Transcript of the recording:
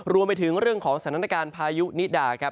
รวมไปถึงเรื่องของสถานการณ์พายุนิดาครับ